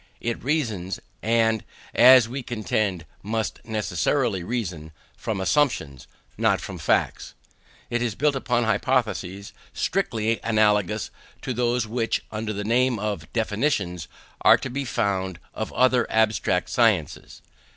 It reasons, and, as we contend, must necessarily reason, from assumptions, not from facts. It is built upon hypotheses, strictly analogous to those which, under the name of definitions, are the foundation of the other abstract sciences.